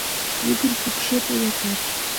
Йыгыр пӱкшет онякат.